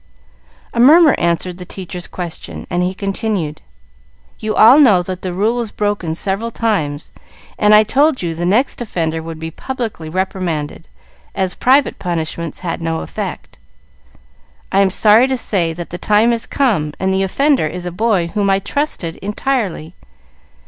A murmur answered the teacher's question, and he continued, "You all know that the rule was broken several times, and I told you the next offender would be publicly reprimanded, as private punishments had no effect. I am sorry to say that the time has come, and the offender is a boy whom I trusted entirely.